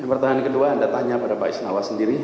yang pertama dan kedua anda tanya pada pak isnao sendiri